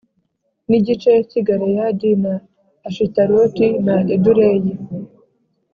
N igice cy i galeyadi na ashitaroti na edureyi